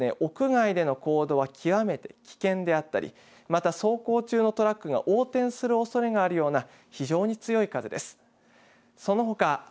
屋外での行動は極めて危険であったりまた、走行中のトラックが横転するおそれがあるような非常に強い風です。